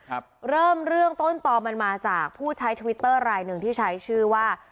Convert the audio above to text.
ครับเริ่มเรื่องต้นตอมันมาจากผู้ใช้ทวิตเตอร์รายหนึ่งที่ใช้ชื่อว่า